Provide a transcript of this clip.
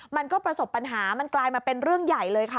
มันก็ประสบปัญหามันกลายมาเป็นเรื่องใหญ่เลยค่ะ